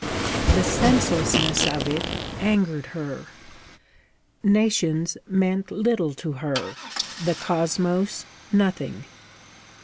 The senselessness of it angered her. Nations meant little to her; the cosmos nothing.